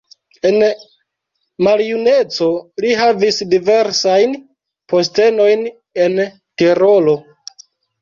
En maljuneco li havis diversajn postenojn en Tirolo.